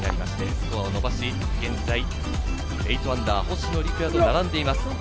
スコアを伸ばし、現在、−８、星野陸也と並んでいます。